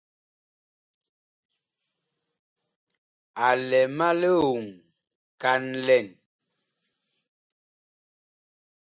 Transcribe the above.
A lɛ ma lioŋ kan lɛn.